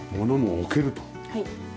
はい。